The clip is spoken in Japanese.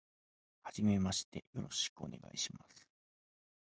はじめまして、よろしくお願いします。